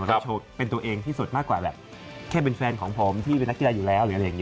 โชว์เป็นตัวเองที่สุดมากกว่าแบบแค่เป็นแฟนของผมที่เป็นนักกีฬาอยู่แล้วหรืออะไรอย่างนี้